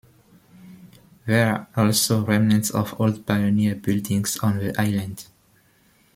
There are also remnants of old pioneer buildings on the island.